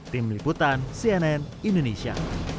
tim liputan cnn indonesia